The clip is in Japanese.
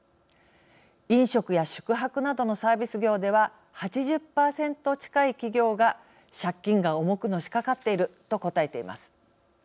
飲食や宿泊などのサービス業では８０％近い企業が借金が重くのしかかっていると答えています。